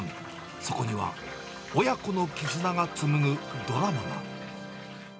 そこには親子の絆が紡ぐドラマが。